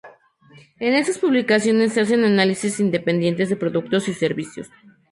En estas publicaciones se hacen análisis independientes de productos y servicios.